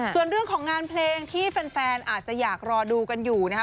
ส่วนเรื่องของงานเพลงที่แฟนอาจจะอยากรอดูกันอยู่นะครับ